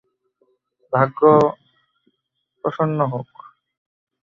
ভাগ্য প্রস্ন হোক।